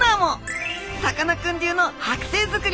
さかなクン流のはく製づくり